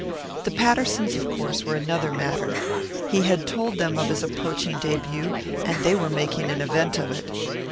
The Pattersons, of course, were another matter. He had told them of his approaching debut and they were making an event of it.